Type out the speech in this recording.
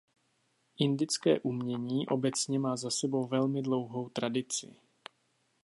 Indické umění obecně má za sebou velmi dlouhou tradici.